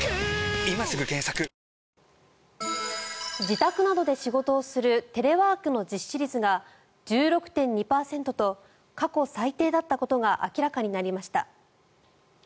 自宅などで仕事をするテレワークの実施率が１６．２％と過去最低だったことが明らかになりました。